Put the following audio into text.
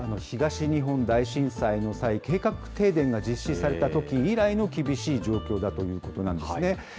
東日本大震災の際、計画停電が実施されたとき以来の厳しい状況だということなんですね。